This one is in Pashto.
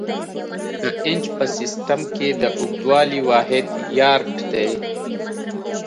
د انچ په سیسټم کې د اوږدوالي واحد یارډ دی.